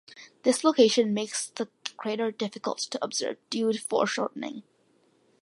This location makes the crater difficult to observe due to foreshortening.